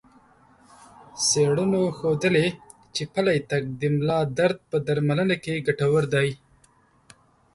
څېړنو ښودلي چې پلی تګ د ملا درد په درملنه کې ګټور دی.